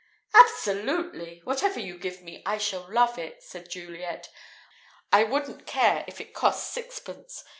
"Absolutely! Whatever you give me, I shall love it," said Juliet. "I wouldn't care if it cost sixpence.